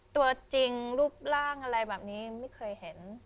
ตัวจริงรูปร่างอะไรแบบนี้ไม่เคยเห็น